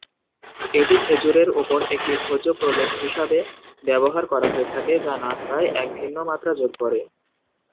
এটি খেজুরের ওপর একটি ভোজ্য প্রলেপ হিসাবে ব্যবহার করা হয়ে থাকে, যা নাস্তায় এক ভিন্ন মাত্রা যোগ করে।